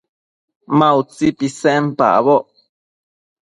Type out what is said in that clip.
Ma utsi pisenpacboc